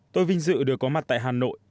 tôi vinh dự được có mặt tại hà nội